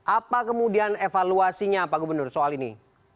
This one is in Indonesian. apa kemudian evaluasinya pak gubernur soal ini